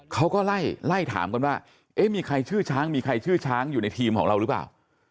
เขาก็ไล่ไล่ถามกันว่าเอ๊ะมีใครชื่อช้างมีใครชื่อช้างอยู่ในทีมของเราหรือเปล่า